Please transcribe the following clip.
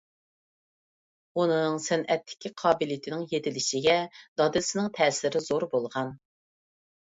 ئۇنىڭ سەنئەتتىكى قابىلىيىتىنىڭ يېتىلىشىگە دادىسىنىڭ تەسىرى زور بولغان.